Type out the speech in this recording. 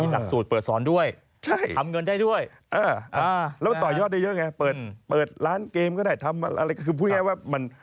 แล้วมันต่อยยอดได้เยอะไงเปิดร้านเกมก็ได้ทำอะไรก็คือพูดง่ายว่า